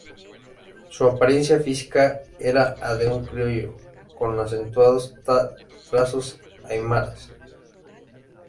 Su apariencia física era a de un "criollo", con acentuados trazos aymaras.